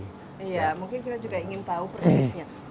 iya mungkin kita juga ingin tahu persisnya